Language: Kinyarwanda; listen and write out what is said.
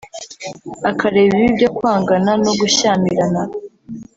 akareba ibibi byo kwangana no gushyamirana